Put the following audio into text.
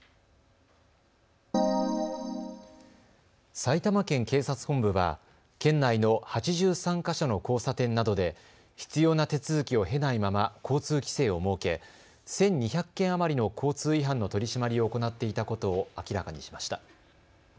埼玉県警察本部は県内の８３か所の交差点などで必要な手続きを経ないまま交通規制を設け１２００件余りの交通違反の取締りを行っていたことを明らかにしました。